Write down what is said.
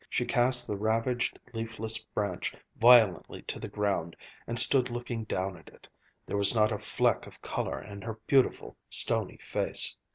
She cast the ravaged, leafless branch violently to the ground and stood looking down at it. There was not a fleck of color in her beautiful, stony face.